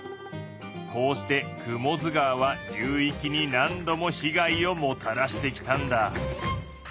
こうして雲出川は流域に何度も被害をもたらしてきたんだ。